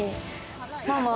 ママ。